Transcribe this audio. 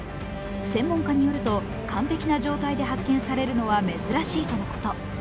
専門家によると、完璧な状態で発見されるのは珍しいとのこと。